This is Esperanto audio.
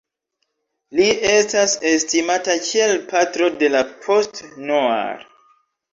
Li estas estimata kiel "patro de la "post-noir"".